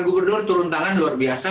gubernur turun tangan luar biasa